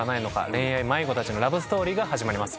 恋愛迷子たちのラブストーリーが始まります